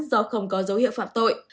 do không có dấu hiệu phạm tội